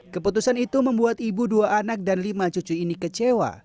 keputusan itu membuat ibu dua anak dan lima cucu ini kecewa